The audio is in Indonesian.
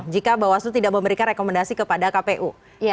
jika bawah selu tidak memberikan rekomendasi kepada kpu